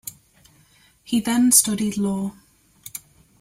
He then studied law.